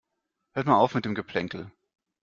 Hört mal auf mit dem Geplänkel.